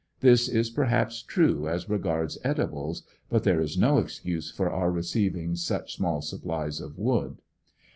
This is perhaps true as regards edibles but there i«^ no excuse for our receiving such small supplies of wood.